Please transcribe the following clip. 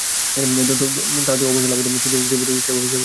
তাতেও অবশ্য লাভ হয়নি, তিস্তা চুক্তি যেভাবে ঝুলছিল, সেভাবেই ঝুলে আছে।